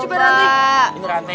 coba dibuka coba rantai